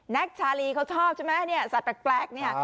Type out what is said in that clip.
ชาลีเขาชอบใช่ไหมเนี่ยสัตว์แปลกเนี่ย